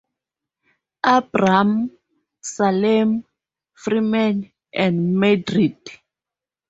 Abram, Salem, Freeman, and Madrid.